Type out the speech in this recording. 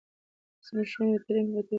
زموږ ښوونکې د تعلیم په بطور مثالي موډل دی.